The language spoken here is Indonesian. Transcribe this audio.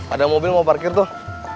ada mobil mau parkir tuh